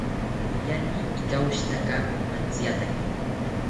Iriani ikawoshitaka mantziataki